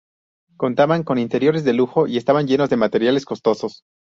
Contaban con interiores de lujo y estaban llenos de materiales costosos.